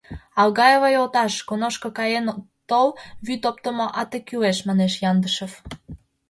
— Алгаева йолташ, коношко каен тол, вӱд оптымо ате кӱлеш, — манеш Яндышев.